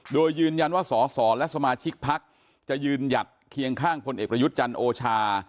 โดยยืนยันว่าสอสอและสมาชิกพักจะยืนหยัดเคียงข้างพลเอกประยุทธ์จันทร์โอชา